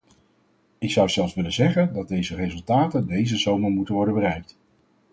Ik zou zelfs willen zeggen dat deze resultaten deze zomer moeten worden bereikt.